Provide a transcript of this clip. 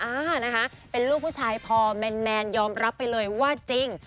อ่านะคะเป็นลูกผู้ชายพอแมนยอมรับไปเลยว่าจริง